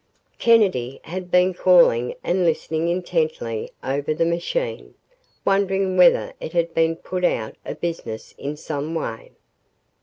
........ Kennedy had been calling and listening intently over the machine, wondering whether it had been put out of business in some way.